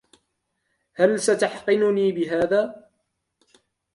هل ستحقنني بهذا؟